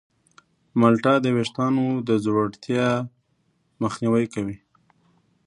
مالټه د ویښتانو د ځوړتیا مخنیوی کوي.